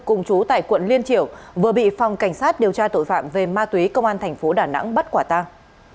cùng chú tại quận liên triểu vừa bị phòng cảnh sát điều tra tội phạm về ma túy công an tp đà nẵng bắt quả tàng